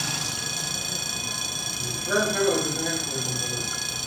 Se le ha declarado como un patrimonio natural.